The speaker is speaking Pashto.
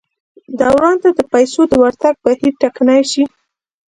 دوران ته د پیسو د ورتګ بهیر ټکنی شي.